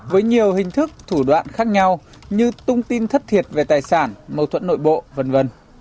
với nhiều hình thức thủ đoạn khác nhau như tung tin thất thiệt về tài sản mâu thuẫn nội bộ v v